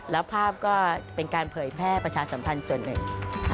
แล้วภาพก็เป็นการเผยแพร่ประชาสัมพันธ์ส่วนหนึ่ง